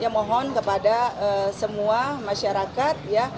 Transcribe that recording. mohon kepada semua masyarakat